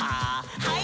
はい。